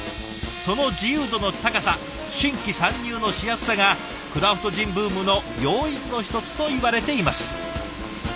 その自由度の高さ新規参入のしやすさがクラフトジンブームの要因の一つといわれています。